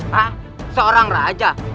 hah seorang raja